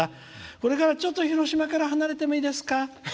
これから、ちょっと広島から離れてもいいですか。